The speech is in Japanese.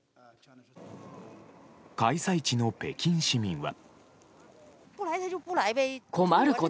開催地の北京市民は。